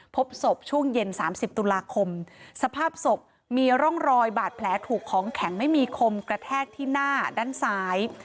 พบศพช่วงเย็น๓๐ตุลาคมสภาพศพมีร่องรอยบาดแผลถูกของแข็งไม่มีคมกระแทกที่หน้าด้านซ้าย